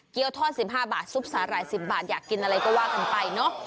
ทอด๑๕บาทซุปสาหร่าย๑๐บาทอยากกินอะไรก็ว่ากันไปเนอะ